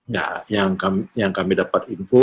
nah yang kami dapat info